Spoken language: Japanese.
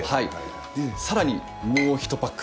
さらにもう１パック。